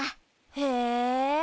へえ。